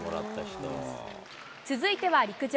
続いては陸上。